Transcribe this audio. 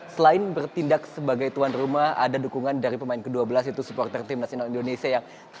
selain bertindak sebagai tuan rumah ada dukungan dari pemain ke dua belas itu supporter tim nasional indonesia yang